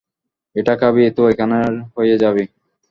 এটা খাবি, তো এখানের হয়ে যাবি।